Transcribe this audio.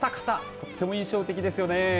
とても印象的ですよね。